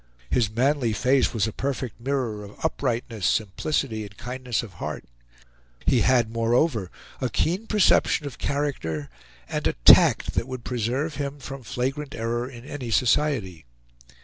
His manly face was a perfect mirror of uprightness, simplicity, and kindness of heart; he had, moreover, a keen perception of character and a tact that would preserve him from flagrant error in any society.